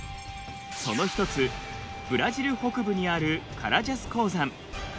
その一つブラジル北部にあるカラジャス鉱山。